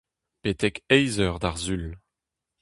Betek eizh eur d'ar Sul.